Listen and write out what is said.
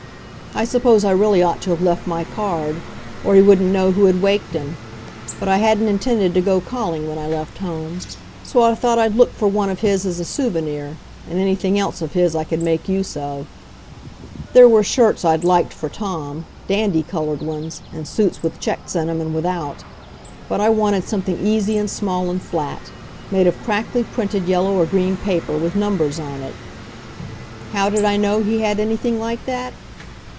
I suppose I really ought to have left my card or he wouldn't know who had waked him but I hadn't intended to go calling when I left home. So I thought I'd look for one of his as a souvenir and anything else of his I could make use of. There were shirts I'd liked for Tom, dandy colored ones, and suits with checks in 'em and without. But I wanted something easy and small and flat, made of crackly printed yellow or green paper, with numbers on it. How did I know he had anything like that?